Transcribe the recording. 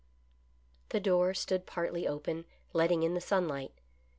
II5 The door stood partly open letting in the sunlight.